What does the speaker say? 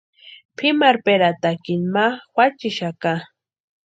Pʼimarhperatakini ma juachixaka.